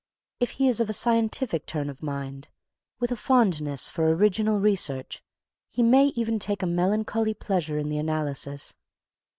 If he is of a scientific turn of mind, with a fondness for original research, he may even take a melancholy pleasure in the analysis.